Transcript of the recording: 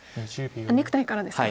ネクタイからですか？